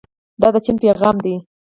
دا د چین پیغام دی.